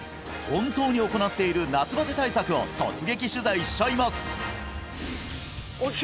本当に行っている夏バテ対策を突撃取材しちゃいます！